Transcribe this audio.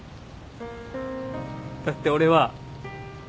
だって俺は。